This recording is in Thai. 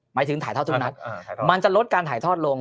หมายถึงถ่ายทอดทุกนัดมันจะลดการถ่ายทอดลง